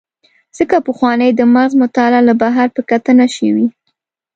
ځکه پخوانۍ د مغز مطالعه له بهر په کتنه شوې.